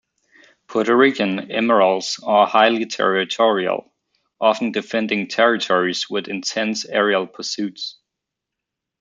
Puerto Rican emeralds are highly territorial, often defending territories with intense aerial pursuits.